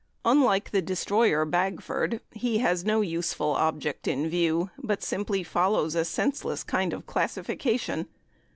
Unlike the destroyer Bagford, he has no useful object in view, but simply follows a senseless kind of classification.